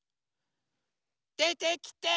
でてきて！